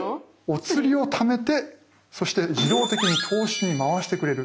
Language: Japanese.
おつりをためてそして自動的に投資に回してくれる。